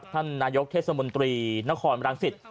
ท่านนายกเทศบาลนครรังศิษย์